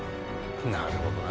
なるほどな。